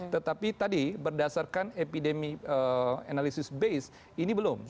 tetapi tadi berdasarkan epidemi analysis base ini belum